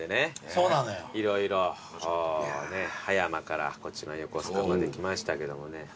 色々ね葉山からこっちの横須賀まで来ましたけどもね。